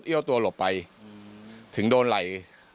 เอ๋เยี่ยวตัวหลบไปถึงโดนไหล